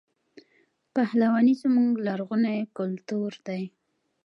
پهلواني زموږ لرغونی کلتور دی.